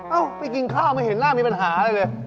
เอ้าไปกินข้าวไม่เห็นราดมีปัญหาอะไรเลย